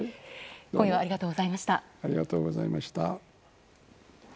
今夜はありがとうございました。